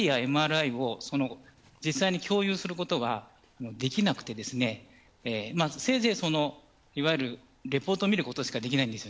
ＣＴや、ＭＲＩを実際に共有することができなくてせいぜいレポートを見ることしかできません。